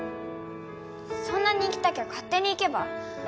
そんなに行きたきゃ勝手に行けば？